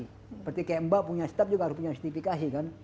seperti kayak mbak punya staff juga harus punya justifikasi kan